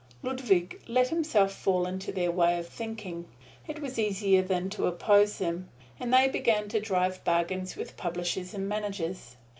Ludwig let himself fall into their way of thinking it was easier than to oppose them and they began to drive bargains with publishers and managers.